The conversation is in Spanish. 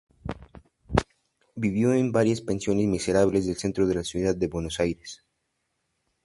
Vivió en varias pensiones miserables del centro de la ciudad de Buenos Aires.